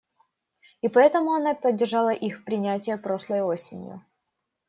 И поэтому она поддержала их принятие прошлой осенью.